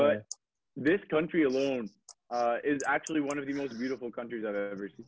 tapi ini sendiri adalah satu dari negara yang paling indah yang gue lihat